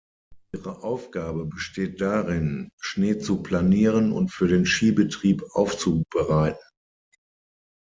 Ihre Aufgabe besteht darin, Schnee zu planieren und für den Skibetrieb aufzubereiten.